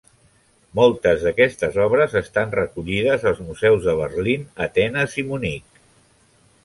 Moltes d'aquestes obres estan recollides als museus de Berlín, Atenes i Munic.